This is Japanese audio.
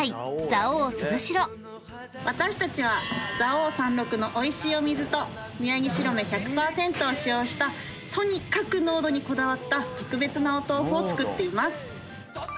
私たちは蔵王山麓のおいしいお水とミヤギシロメ１００％を使用したとにかく濃度にこだわった特別なお豆腐を作っています。